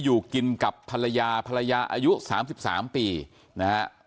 อยู่กินกับภรรยาภรรยาอายุ๓๓ปีนะฮะ